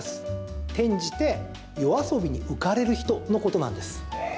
転じて、夜遊びに浮かれる人のことなんです。